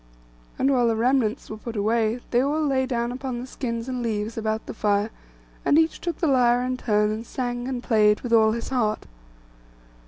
And when the remnants were put away, they all lay down upon the skins and leaves about the fire, and each took the lyre in turn, and sang and played with all his heart.